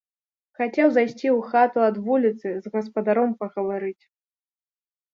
Хацеў зайсці ў хату ад вуліцы з гаспадаром пагаварыць.